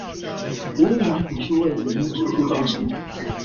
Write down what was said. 無印良品數位影印輸出中心